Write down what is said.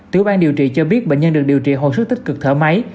tử ban điều trị cho biết bệnh nhân được điều trị hồ sức tích cực thở máy